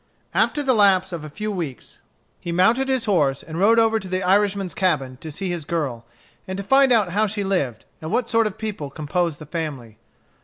After the lapse of a few weeks he mounted his horse and rode over to the Irishman's cabin to see his girl, and to find out how she lived, and what sort of people composed the family.